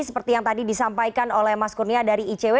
seperti yang tadi disampaikan oleh mas kurnia dari icw